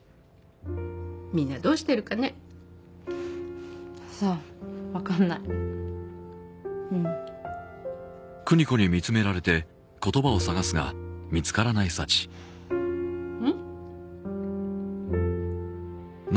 みんなどうしてるかねさあわかんないうんん？